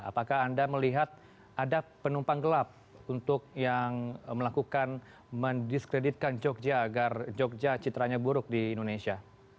apakah anda melihat ada penumpang gelap untuk yang melakukan mendiskreditkan jogja agar jogja citranya buruk di indonesia